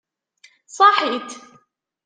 Ṣaḥit.